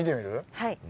はい。